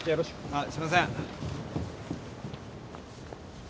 はいすいません！